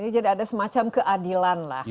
jadi ada semacam keadilan lah